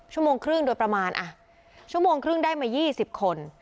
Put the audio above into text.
ชั่วโมงครึ่งโดยประมาณชั่วโมงครึ่งได้มา๒๐คน